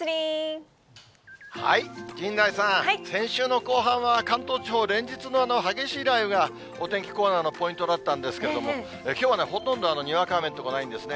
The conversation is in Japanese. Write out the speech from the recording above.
陣内さん、先週の後半は関東地方、連日の激しい雷雨が、お天気コーナーのポイントだったんですけれども、きょうはほとんどにわか雨の所ないんですね。